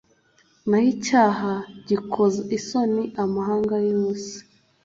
naho icyaha gikoza isoni amahanga yose